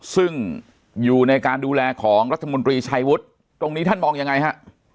ซึ่งอยู่ในการดูแลของรัฐมนตรีชัยวุฒิตรงนี้ท่านมองยังไงฮะ